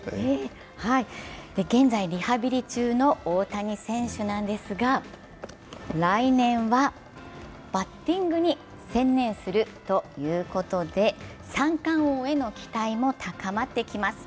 現在リハビリ中の大谷選手なんですが来年はバッティングに専念するということで三冠王への期待も高まってきます。